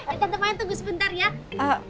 ya tante mayang tunggu sebentar ya